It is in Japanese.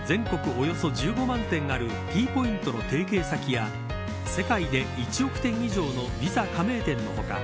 およそ１５万店あるＴポイントの提携先や世界で１億店以上のＶｉｓａ加盟店の他